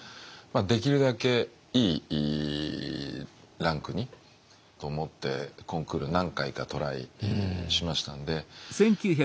できるだけいいランクにと思ってコンクール何回かトライしましたんで。